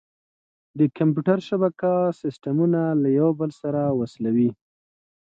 د کمپیوټر شبکه سیسټمونه یو له بل سره وصلوي.